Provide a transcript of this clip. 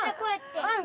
うん。